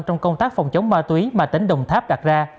trong công tác phòng chống ma túy mà tỉnh đồng tháp đặt ra